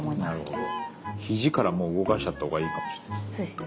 肘からもう動かしちゃったほうがいいかもしんないですね。